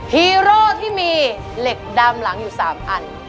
ฮีโร่ที่มีเหล็กดามหลังอยู่๓อัน